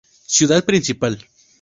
Ciudad principal